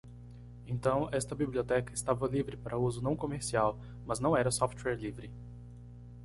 Então, esta biblioteca estava livre para uso não comercial, mas não era software livre.